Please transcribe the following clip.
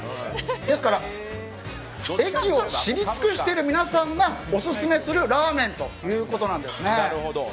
ですから駅を知り尽くしている皆さんがオススメするラーメンということなんですね。